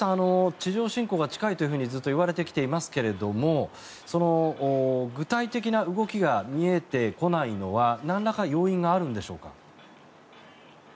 地上侵攻が近いというふうにずっといわれてきていますが具体的な動きが見えてこないのはなんらか要因があるんでしょうか。